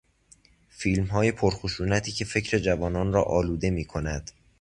فیلمهای پرخشونتی که فکر جوانان را آلوده میکند